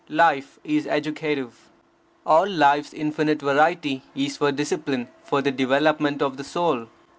Life is educative. All life's infinite variety is for discipline, for the development of the soul.